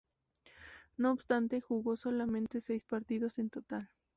No obstante, jugó solamente seis partidos en total.